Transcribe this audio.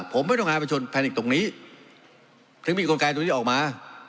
ผมไม่ต้องหาไปชนแฟนิคตรงนี้ถึงมีอีกคนการสวยดีออกมา